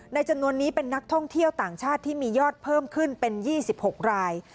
จำนวนนี้เป็นนักท่องเที่ยวต่างชาติที่มียอดเพิ่มขึ้นเป็น๒๖ราย